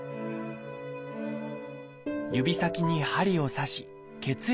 指先に針を刺し血液を採取。